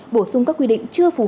bổ sung các quy định chưa phù hợp